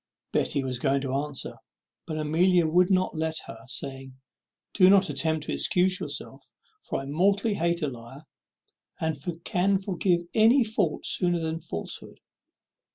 Betty was going to answer, but Amelia would not let her, saying, "Don't attempt to excuse yourself; for I mortally hate a liar, and can forgive any fault sooner than falsehood."